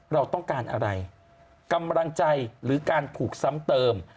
เราต้องการอะไรกำลังใจหรือการถูกซ้ำเติม